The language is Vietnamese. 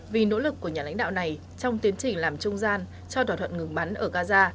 vì nỗ lực của nhà lãnh đạo này trong tiến trình làm trung gian cho thỏa thuận ngừng bắn ở gaza